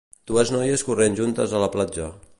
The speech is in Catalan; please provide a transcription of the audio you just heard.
Dues noies corrent juntes a la platja.